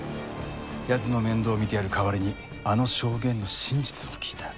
奴の面倒を見てやる代わりにあの証言の真実を聞いた。